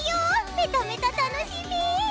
メタメタ楽しみ！